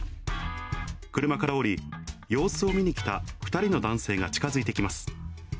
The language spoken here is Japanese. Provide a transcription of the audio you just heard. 車から降り、様子を見に来た２人の男性が近づいてきます。